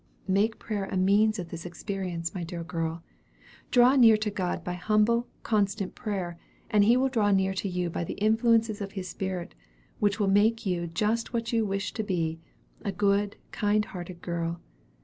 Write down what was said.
"Make prayer a means of this experience, my dear girl. Draw near to God by humble, constant prayer, and He will draw near to you by the influences of His spirit, which will make you just what you wish to be, a good, kind hearted girl.